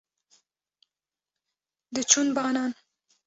diçûn banan